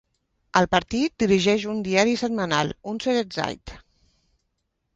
El partit dirigeix un diari setmanal, "unsere Zeit".